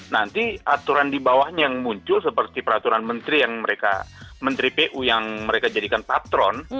nanti aturan di bawahnya yang muncul seperti peraturan menteri yang mereka menteri pu yang mereka jadikan patron